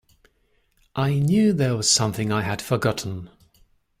I knew there was something I had forgotten.